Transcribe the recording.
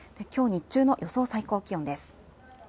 きょう日中の予想最高気温です。